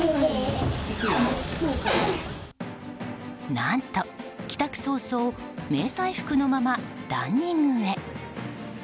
何と、帰宅早々迷彩服のままランニングへ。